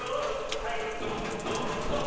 はいドドーンドン。